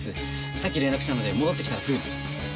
さっき連絡したので戻ってきたらすぐに。